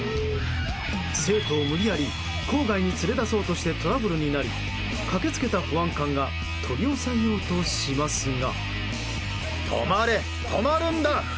生徒を無理やり校外に連れ出そうとしてトラブルになり駆け付けた保安官が取り押さえようとしますが。